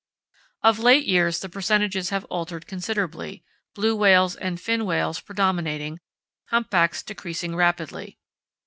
Of late years the percentages have altered considerably, blue whales and fin whales predominating, humpbacks decreasing rapidly.